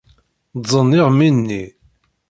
Ddzen imɣi-nni.